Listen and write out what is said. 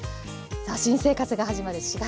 さあ新生活が始まる４月。